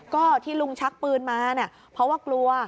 ก็ที่ลุงชักปืนมาเนี่ยเพราะว่ากลัว